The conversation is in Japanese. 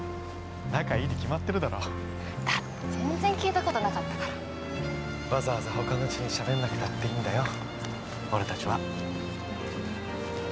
仲いいに決まってるだろだって全然聞いたことなかったからわざわざ他の人に喋んなくたっていいんだよ